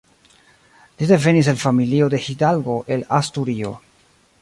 Li devenis el familio de hidalgo el Asturio.